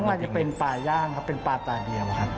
มันอาจจะเป็นปลาย่างครับเป็นปลาตาเดียวครับ